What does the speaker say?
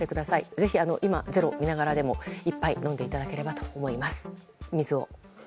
ぜひ、今「ｚｅｒｏ」を見ながらでも１杯水を飲んでいただければと思います。